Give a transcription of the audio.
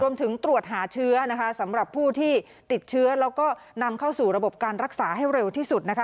รวมถึงตรวจหาเชื้อนะคะสำหรับผู้ที่ติดเชื้อแล้วก็นำเข้าสู่ระบบการรักษาให้เร็วที่สุดนะคะ